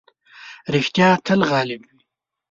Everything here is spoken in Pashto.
رښتيا تل غالب وي.